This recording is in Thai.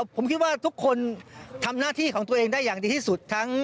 ผมคิดว่าทุกคนทำหน้าที่ของตัวเองได้อย่างดีที่สุดทั้ง